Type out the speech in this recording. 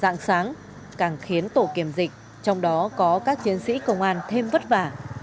dạng sáng càng khiến tổ kiểm dịch trong đó có các chiến sĩ công an thêm vất vả